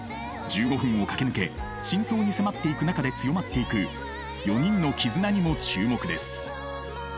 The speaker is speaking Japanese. １５分を駆け抜け真相に迫っていく中で強まっていく４人の絆にも注目です。